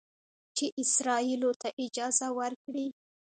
چې اسرائیلو ته اجازه ورکړي